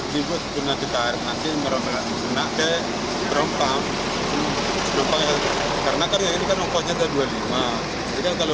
di tiga puluh di tiga puluh di tiga puluh itu rupanya perkara kabus